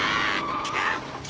くっ。